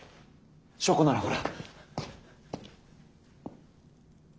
証拠ならほら。